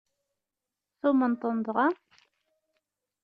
Tumneḍ-ten dɣa?